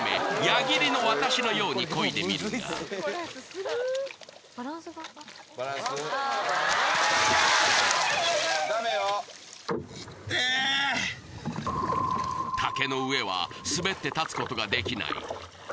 矢切の渡しのようにこいでみるがいってえ竹の上は滑って立つことができない